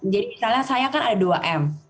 jadi misalnya saya kan ada dua m